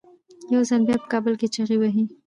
یو ځل بیا په کابل کې چیغې وهي.